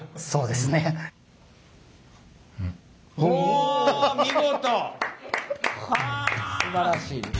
すばらしい。